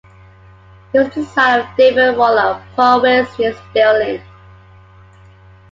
He was the son of David Rollock of Powis, near Stirling.